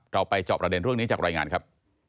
ไปจอบประเด็นเรื่องนี้จากรายงานครับ